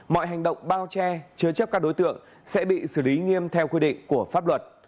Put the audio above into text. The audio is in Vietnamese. mọi hành động bao che chứa chấp các đối tượng sẽ bị xử lý nghiêm theo quy định của pháp luật